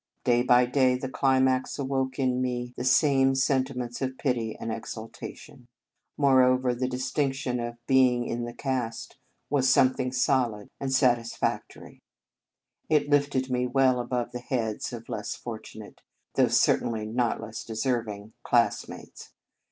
Day by day the climax awoke in me the same senti ments of pity and exultation. More over, the distinction of being in the cast was something solid and satis 58 The Convent Stage factory. It lifted me well above the heads of less fortunate, though cer tainly not less deserving, classmates.